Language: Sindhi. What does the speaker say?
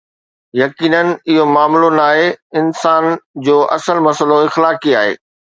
يقينن، اهو معاملو ناهي، انسان جو اصل مسئلو اخلاقي آهي.